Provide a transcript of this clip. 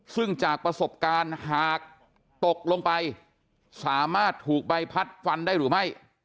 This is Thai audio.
ซึ่งจากประสบการณ์หากตกลงไปสามารถถูกใบพัดฟันได้หรือไม่